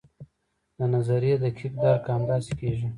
د نظریې دقیق درک همداسې کیږي.